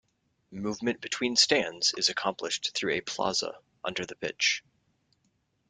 Movement between stands is accomplished through a plaza under the pitch.